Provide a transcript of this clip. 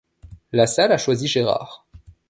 Lasalle a choisi Gérard.